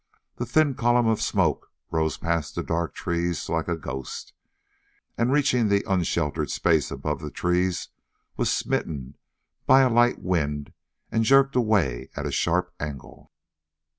The thin column of smoke rose past the dark trees like a ghost, and reaching the unsheltered space above the trees, was smitten by a light wind and jerked away at a sharp angle.